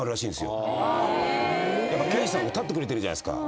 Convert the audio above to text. やっぱ刑事さんが立ってくれてるじゃないですか。